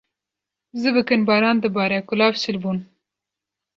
Zû bikin baran dibare, kulav şil bûn.